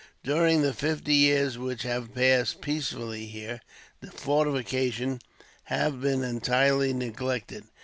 During the fifty years which have passed peacefully here, the fortifications have been entirely neglected.